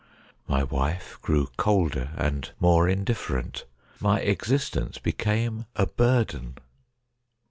My wife grew colder and more indifferent ; my existence became a burden.